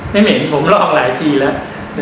ไม่เหม็นผมลองหลายทีแล้ว